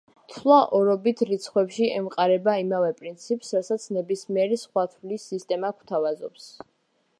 თვლა ორობით რიცხვებში ემყარება იმავე პრინციპს, რასაც ნებისმიერი სხვა თვლის სისტემა გვთავაზობს.